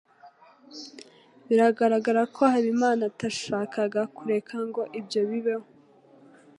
Biragaragara ko Habimana atashakaga kureka ngo ibyo bibeho.